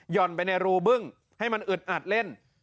่อนไปในรูบึ้งให้มันอึดอัดเล่น